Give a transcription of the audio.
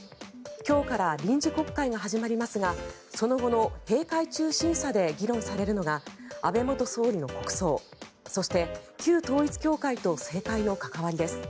今日から臨時国会が始まりますがその後の閉会中審査で議論されるのが安倍元総理の国葬そして、旧統一教会と政界の関わりです。